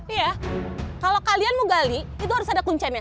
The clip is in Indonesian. iya kalau kalian mau gali itu harus ada kuncannya